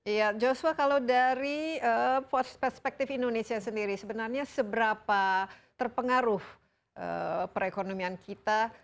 iya joshua kalau dari perspektif indonesia sendiri sebenarnya seberapa terpengaruh perekonomian kita